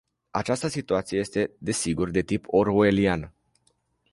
Această situație este, desigur, de tip orwellian.